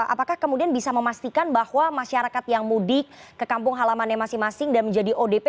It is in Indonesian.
apakah kemudian bisa memastikan bahwa masyarakat yang mudik ke kampung halamannya masing masing dan menjadi odp